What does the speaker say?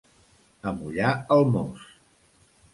Amollar el mos.